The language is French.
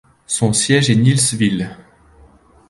Son siège est Neillsville.